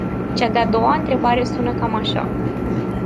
Cea de-a doua întrebare sună cam așa.